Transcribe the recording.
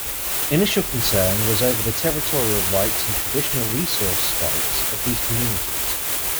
Initial concern was over the territorial rights and traditional resource rights of these communities.